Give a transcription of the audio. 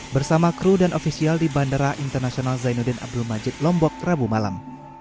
bersama kru dan ofisial di bandara internasional zainuddin abdul majid lombok rabu malam